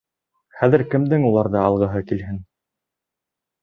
Хәҙер кемдең уларҙы алғыһы килһен?